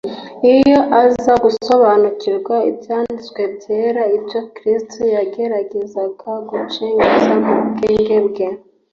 iyo aza gusobanukirwa n'Ibyanditswe byera ibyo Yesu yageragezaga gucengeza mu bwenge bwe.